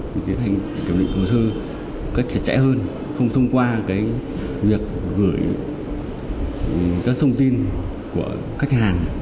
thì tiến hành kiểm định hồ sơ một cách chặt chẽ hơn không thông qua việc gửi các thông tin của khách hàng